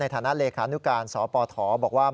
ฐานะเลขานุการสปฐบอกว่า